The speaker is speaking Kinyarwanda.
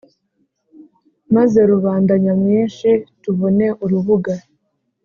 maze rubanda nyamwinshi tubone urubuga